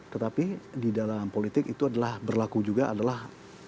tetapi di dalam politik itu adalah berlaku juga adalah